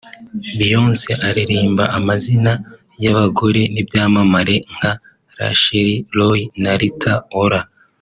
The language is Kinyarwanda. Beyonce aririmba amazina y’abagore b’ibyamamare nka Rachel Roy na Rita Ora